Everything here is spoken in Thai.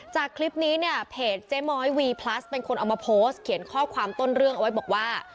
จากคลิปนี้เนี่ยเพจเจ๊ม้อยวีพลัสเป็นคนเอามาโพสต์เขียนข้อความต้นเรื่องเอาไว้บอกว่า